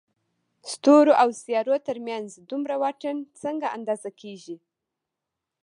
ستورو او سيارو تر منځ دومره واټن څنګه اندازه کېږي؟